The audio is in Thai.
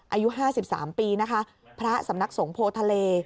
อายุ๕๓ปีนะคะพระสำนักสงโพทะเล